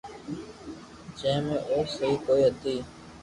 جو مي او سھي ڪوئي ھتئ